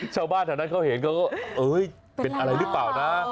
ชาวบ้านแถวนั้นเขาเห็นเขาก็เอ้ยเป็นอะไรหรือเปล่านะ